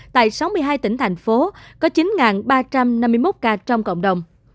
tại sáu mươi hai tỉnh thành phố có chín ba trăm năm mươi một ca trong cộng đồng